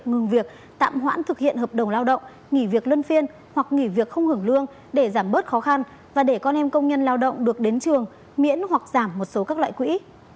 ngừng việc tạm hoãn thực hiện hợp đồng lao động nghỉ việc luân phiên hoặc nghỉ việc không hưởng lương để giảm bớt khó khăn và để con em công nhân lao động được đến trường miễn hoặc giảm một số các loại quỹ